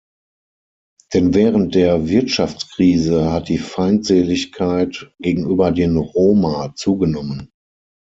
Denn während der Wirtschaftskrise hat die Feindseligkeit gegenüber den Roma zugenommen.